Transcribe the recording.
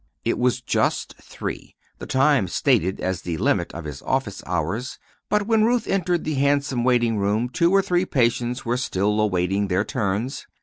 It was just three, the time stated as the limit of his office hours; but when Ruth entered the handsome waiting room, two or three patients were still awaiting their turns.